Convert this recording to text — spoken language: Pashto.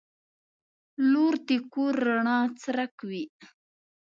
• لور د کور د رڼا څرک وي.